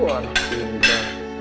wah anak kita